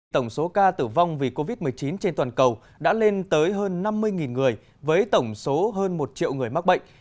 tổng số ca tử vong vì covid một mươi chín trên toàn cầu đã lên tới hơn năm mươi người với tổng số hơn một triệu người mắc bệnh